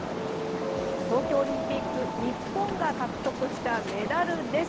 東京オリンピック日本が獲得したメダルです。